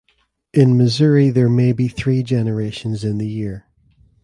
In Missouri there may be three generations in the year.